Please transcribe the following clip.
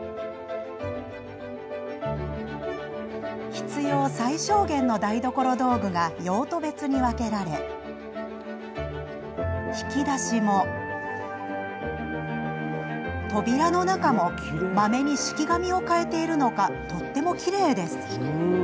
必要最小限の台所道具が用途別に分けられ引き出しも扉の中もまめに敷き紙を替えているのかとってもきれい。